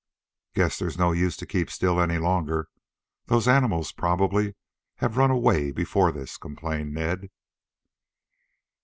"Guess there's no use to keep still any longer. Those animals probably have run away before this," complained Ned.